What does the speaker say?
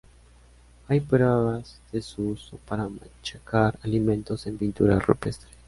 Hay pruebas de su uso para machacar alimentos en pinturas rupestres.